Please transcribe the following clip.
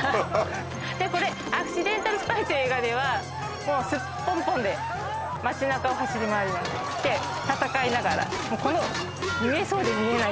これ「アクシデンタル・スパイ」という映画ではもうスッポンポンで街なかを走り回りますで戦いながらこの見えそうで見えない